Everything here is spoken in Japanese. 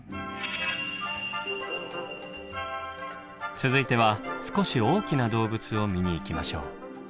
続いては少し大きな動物を見に行きましょう。